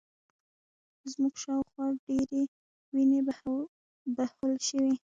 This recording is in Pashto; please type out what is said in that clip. زموږ شا و خوا ډېرې وینې بهول شوې